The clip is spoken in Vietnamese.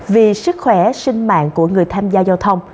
vì sức khỏe sinh mạng của người tham gia giao thông